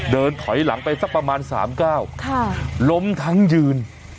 เดินถอยหลังไปสักประมาณ๓ก้าวล้มทั้งยืน